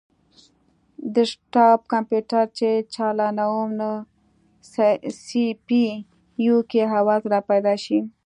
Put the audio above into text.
ډیسکټاپ کمپیوټر چې چالانووم نو سي پي یو کې اواز راپیدا شي